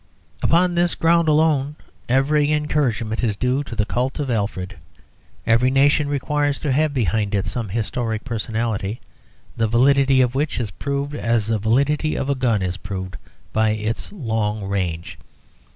Upon this ground alone every encouragement is due to the cult of Alfred. Every nation requires to have behind it some historic personality, the validity of which is proved, as the validity of a gun is proved, by its long range.